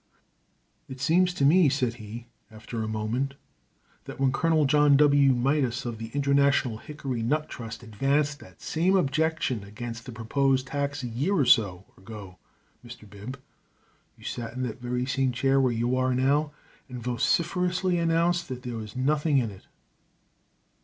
"It seems to me," said he, after a moment, "that when Colonel John W. Midas, of the International Hickory Nut Trust, advanced that same objection against the proposed tax a year or so ago, Mr. Bib, you sat in that very same chair where you are now and vociferously announced that there was nothing in it."